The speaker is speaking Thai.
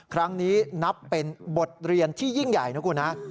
ครั้งนี้นับเป็นบทเรียนที่ยิ่งใหญ่นะคุณฮะ